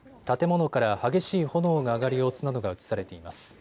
建物から激しい炎が上がる様子などが映されています。